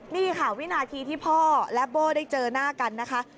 นี่ค่ะวินาทีที่พ่อและโบ้ได้เจอหน้ากันนะคะ